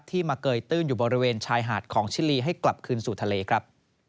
มาเกยตื้นอยู่บริเวณชายหาดของชิลีให้กลับคืนสู่ทะเลครับ